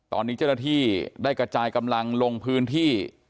ตอนนี้เกษฐีได้กระจายกำลังลงพื้นที่